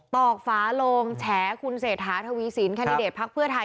อกฝาโลงแฉคุณเศรษฐาทวีสินแคนดิเดตภักดิ์เพื่อไทย